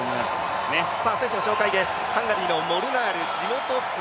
選手の紹介です、ハンガリーのモルナール。